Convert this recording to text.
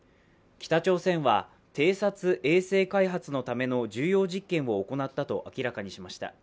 北朝鮮は偵察衛星開発のための重要実験を行ったと明らかにしました。